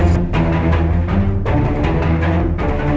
sinta kamu dimana sinta